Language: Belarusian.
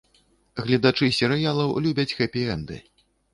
Гледачы серыялаў любяць хэпі-энды.